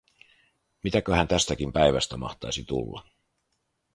Mitäköhän tästäkin päivästä mahtaisi tulla?